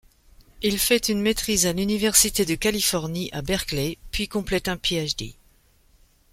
Il fait une maîtrise à l'université de Californie à Berkeley, puis complète un Ph.D.